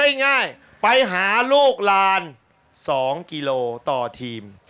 ง่ายไปหาลูกลาน๒กิโลต่อทีม